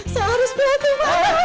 saya harus berhati hati